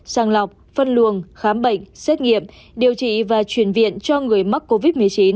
sàng lọc phân luồng khám bệnh xét nghiệm điều trị và chuyển viện cho người mắc covid một mươi chín